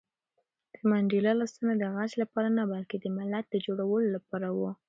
د منډېلا لاسونه د غچ لپاره نه، بلکې د ملت د جوړولو لپاره وو.